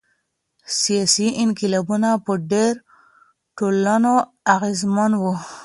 سیاسي انقلابونه په ډیرو ټولنو اغیزمن وو.